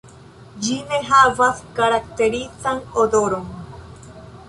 Ĝi ne havas karakterizan odoron.